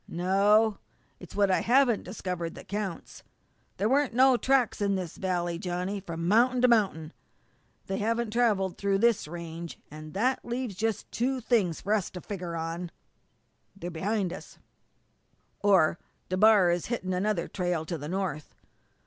"No. It's what I haven't discovered that counts. There weren't no tracks in this valley, Johnny, from mount'in to mount'in. They haven't travelled through this range, an' that leaves just two things for us to figger on. They're behind us or DeBar is hitting another trail into the north.